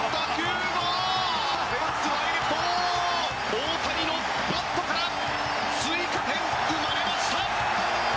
大谷のバットから追加点、生まれました！